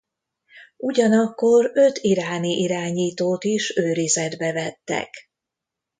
Ugyanakkor öt iráni irányítót is őrizetbe vettek.